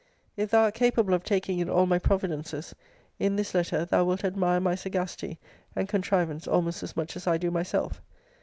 If thou art capable of taking in all my providences, in this letter, thou wilt admire my sagacity and contrivance almost as much as I do myself.